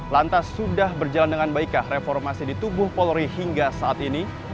lantas sudah berjalan dengan baikah reformasi di tubuh polri hingga saat ini